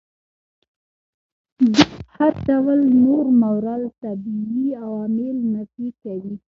دوی هر ډول نور ماورا الطبیعي عوامل نفي کوي.